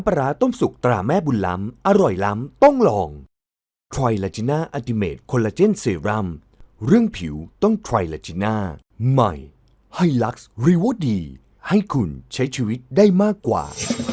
เป็นของขวัญนะจ๊ะพี่บ้าบ้า